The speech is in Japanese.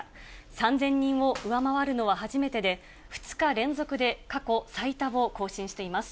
３０００人を上回るのは初めてで、２日連続で過去最多を更新しています。